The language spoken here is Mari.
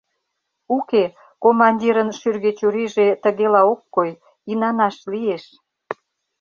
Уке, командирын шӱргӧ чурийже тыгела ок кой, инанаш лиеш.